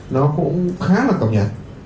nó cũng khá là cầm nhạt